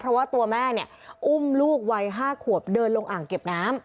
เพราะว่าตัวแม่เนี่ยอุ้มลูกวัย๕ขวบเดินลงอ่างเก็บน้ำ